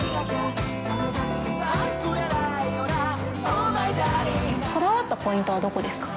こだわったポイントはどこですか。